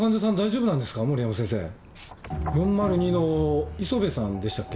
４０２の磯部さんでしたっけ？